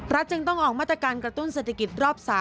จึงต้องออกมาตรการกระตุ้นเศรษฐกิจรอบ๓